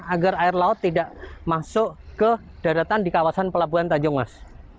agar air laut tidak masuk ke daratan di kawasan pelabuhan tanjung mas